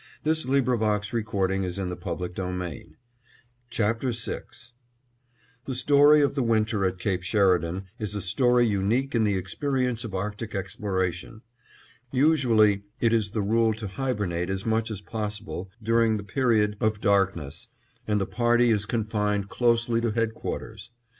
CHAPTER VI THE PEARY PLAN A RAIN OF ROCKS MY FRIENDS THE ESQUIMOS The story of the winter at Cape Sheridan is a story unique in the experience of Arctic exploration. Usually it is the rule to hibernate as much as possible during the period of darkness, and the party is confined closely to headquarters.